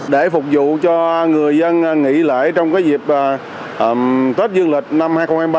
để phục vụ cho người dân nghỉ lễ trong dịp tết dương lịch năm hai nghìn hai mươi ba